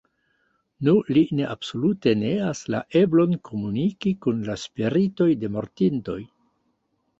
Nu, li ne absolute neas la eblon komuniki kun la spiritoj de mortintoj.